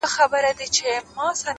چي په هيڅ ډول نه ښه کيږي پرې پوهيږي سړی